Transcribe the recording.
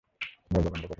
দরজা বন্ধ কর।